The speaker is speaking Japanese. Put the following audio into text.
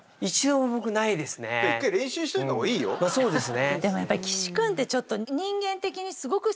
そうですね。